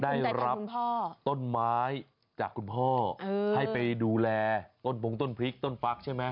ได้รับต้นไม้จากคุณพ่อให้ไปดูแลต้นปงต้นพริกต้นฟักใช่ไหม